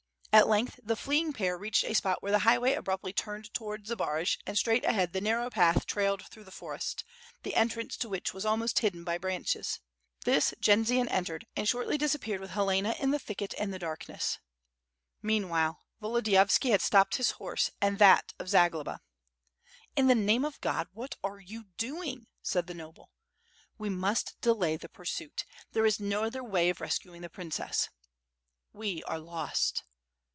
At length the flee ing pair reached a spot where the highway abruptly turned towards Zbaraj and straight ahead the narrow path trailed through the forest, the entrance to which was almost hidden by branches. This Jendzian entered and shortly disappeared with Helena in the thicket and the drakness. Meanwhile Volodiyovski had stopped his horse and that of Zagloba. WITH FIRE AND BWORD. 679 'In the name of God what are yon doing?" said the noble. "We must delay the pursuit. There is no trther way of rescuing the princess." "We are lost."